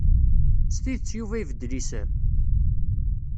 S tidet Yuba ibeddel isem?